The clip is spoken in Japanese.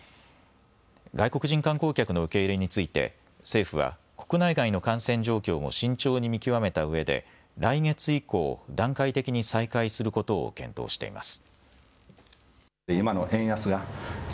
外国人観光客の受け入れについて政府は国内外の感染状況も慎重に見極めたうえで来月以降、段階的に再開することを検討しています。